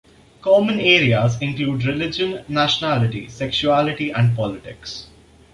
Common areas include religion, nationality, sexuality, and politics.